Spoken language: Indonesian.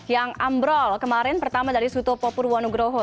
yang ambrul kemarin pertama dari suto popurwonugroho